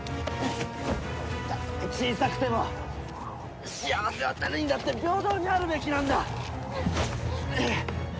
たとえ小さくても幸せは誰にだって平等にあるべきなんだ！